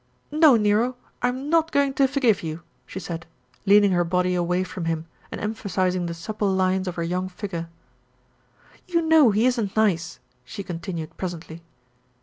"No, Nero, I'm not going to forgive you," she said, leaning her body away from him and emphasising the supple lines of her young figure. "You know he isn't nice!" she continued presently.